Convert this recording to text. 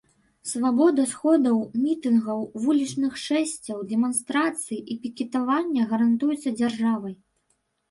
Свабода сходаў, мітынгаў, вулічных шэсцяў, дэманстрацый і пікетавання гарантуецца дзяржавай.